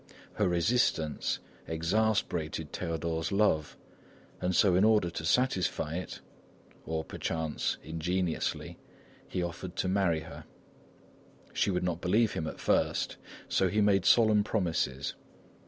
Her resistance exasperated Théodore's love and so in order to satisfy it (or perchance ingenuously), he offered to marry her. She would not believe him at first, so he made solemn promises.